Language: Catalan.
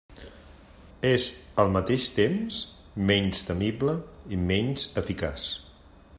És al mateix temps menys temible i menys eficaç.